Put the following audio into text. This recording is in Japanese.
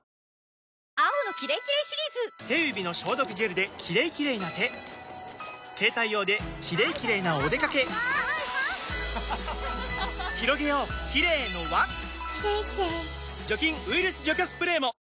手指の消毒ジェルで「キレイキレイ」な手携帯用で「キレイキレイ」なおでかけひろげようキレイの輪除菌・ウイルス除去スプレーも！